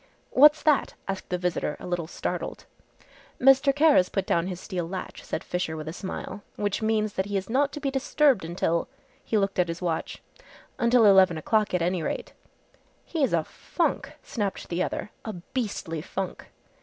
"What's that?" asked the visitor a little startled. "Mr. Kara's put down his steel latch," said Fisher with a smile, "which means that he is not to be disturbed until " he looked at his watch, "until eleven o'clock at any rate." "He's a funk!" snapped the other, "a beastly funk!"